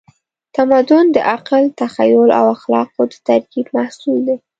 تمدن د عقل، تخیل او اخلاقو د ترکیب محصول دی.